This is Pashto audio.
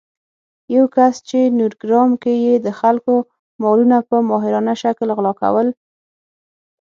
یو کس چې نورګرام کې يې د خلکو مالونه په ماهرانه شکل غلا کول